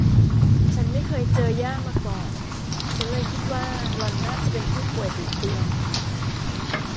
ฉันไม่เคยเจอย่ามาก่อน ฉันเลยคิดว่าหล่อนน่าจะเป็นผู้ป่วยติดเตียง